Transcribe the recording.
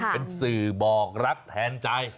เป็นสื่อบอกรักแทนใจ